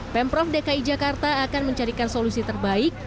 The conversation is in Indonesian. pemprov dki jakarta akan mencarikan solusi terbaik